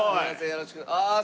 よろしくお願いします。